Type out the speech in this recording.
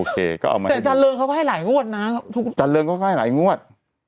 แต่จันทรงเขาก็ให้หลายงวดนะจันทรงเราให้หลายงวด